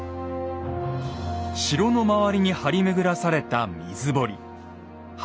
城の周りに張り巡らされた水堀。